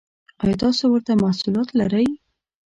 ایا تاسو ورته محصولات لرئ؟